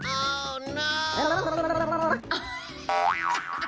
โอ้ไม่